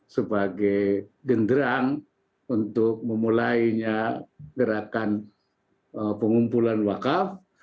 sebagai genderang untuk memulainya gerakan pengumpulan wakaf